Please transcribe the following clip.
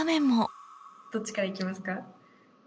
どっちからいきますか？